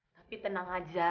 tapi tenang aja